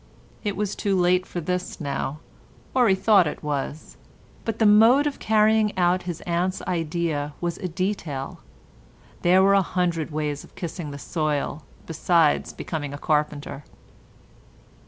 It was too late for this now—or he thought it was—but the mode of carrying out his aunt's idea was a detail; there were a hundred ways of kissing the soil besides becoming a carpenter.